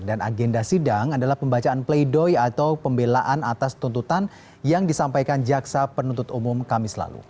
dan agenda sidang adalah pembacaan play doy atau pembelaan atas tuntutan yang disampaikan jaksa penuntut umum kami selalu